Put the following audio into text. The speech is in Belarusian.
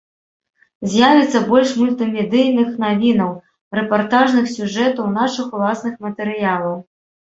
З'явіцца больш мультымедыйных навінаў, рэпартажных сюжэтаў, нашых уласных матэрыялаў.